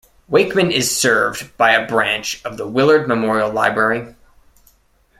Wakeman is served by a branch of the Willard Memorial Library.